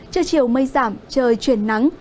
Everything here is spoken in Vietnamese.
trưa chiều mây giảm trời chuyển nắng